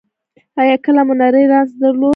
ایا کله مو نری رنځ درلود؟